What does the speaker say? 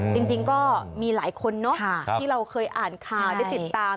จริงก็มีหลายคนเนอะที่เราเคยอ่านข่าวได้ติดตาม